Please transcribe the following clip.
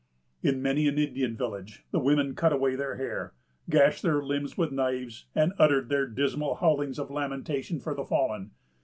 In many an Indian village, the women cut away their hair, gashed their limbs with knives, and uttered their dismal howlings of lamentation for the fallen.